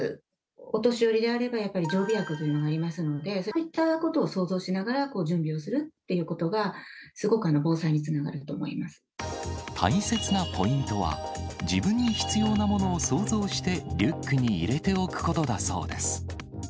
お年寄りであれば、やっぱり常備薬というものがありますので、そういったことを想像しながら準備をするっていうことが、すごく大切なポイントは、自分に必要なものを想像してリュックに入れておくことだそうです。